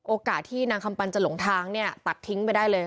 โอกาสที่นางคำปันจะหลงทางเนี่ยตัดทิ้งไปได้เลย